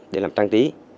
để làm trang trí